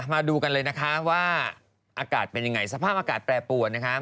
มาดูกันเลยนะคะว่าอากาศเป็นยังไงสภาพอากาศแปรปวนนะคะ